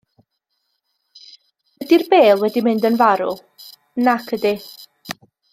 Ydi'r bêl wedi mynd yn farw – nac ydi.